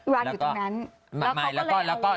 วางอยู่ตรงนั้น